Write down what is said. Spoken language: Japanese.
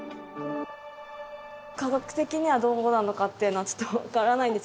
科学的にはどうなのかっていうのはちょっと分からないんですけど